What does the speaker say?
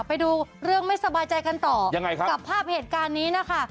ไปดูเรื่องไม่สบายใจกันต่อยังไงครับกับภาพเหตุการณ์นี้นะคะ